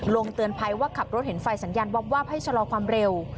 เตือนภัยว่าขับรถเห็นไฟสัญญาณวับวาบให้ชะลอความเร็ว